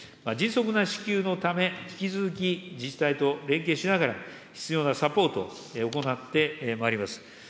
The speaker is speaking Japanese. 迅速な支給のため、引き続き自治体と連携しながら、必要なサポート、行ってまいります。